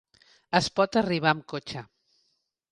Es pot arribar amb cotxe.